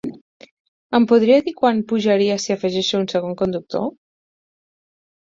Em podria dir quant pujaria si afegeixo un segon conductor?